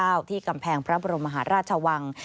ที่กำแพงพระบรมมหาราชวัง